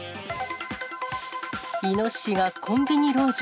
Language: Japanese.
イノシシがコンビニ籠城。